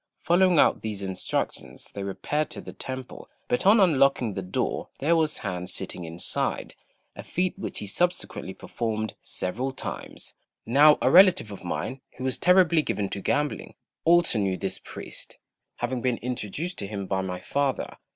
Following out these instructions they repaired to the temple, but on unlocking the door there was Han sitting inside a feat which he subsequently performed several times. Now a relative of mine, who was terribly given to gambling, also knew this priest, having been introduced to him by my father.